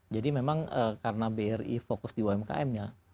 jadi memang karena bri fokus di umkm ya